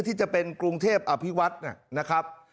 ที่จะเป็นกรุงเทพอภิวัฒน์นะครับ